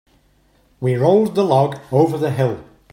We rolled the log over the hill.